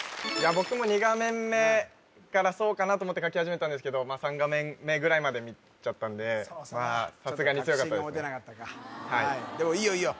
僕も２画面目からそうかなと思って書き始めたんですけど３画面目ぐらいまで見ちゃったんでさすがに強かったですねでもいいよいいよ